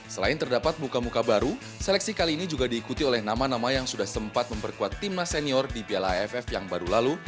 selain terdapat muka muka baru seleksi kali ini juga diikuti oleh nama nama yang sudah sempat memperkuat timnas senior di piala aff yang baru lalu